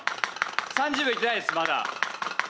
３０秒いってないっすまだ。